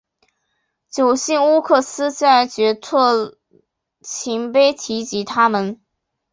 九姓乌古斯在阙特勤碑提及他们。